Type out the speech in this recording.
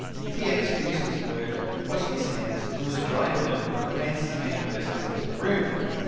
T. X. finished his work, washed his hands, and was drying them when Mansus came bursting into the room.